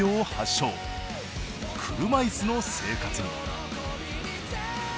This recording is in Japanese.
車いすの生活に。